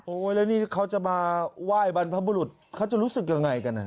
แล้วนี่เขาจะมาไหว้บรรพบุรุษเขาจะรู้สึกยังไงกัน